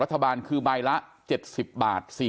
รัฐบาลคือใบละ๗๐บาท